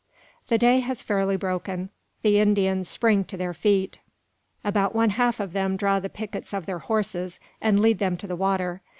The day has fairly broken. The Indians spring to their feet. About one half of them draw the pickets of their horses, and lead them to the water.